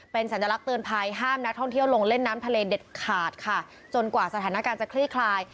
เป็นสัญลักษณ์เตือนภัยห้ามนักท่องเที่ยวลงเล่นน้ำทะเลเด็ดขาดค่ะจนกว่าสถานการณ์จะคลี่คลาย